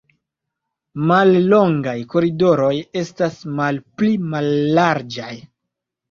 La mallongaj koridoroj estas malpli mallarĝaj.